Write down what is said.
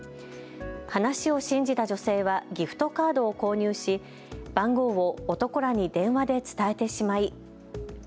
話を信じた女性はギフトカードを購入し、番号を男らに電話で伝えてしまい。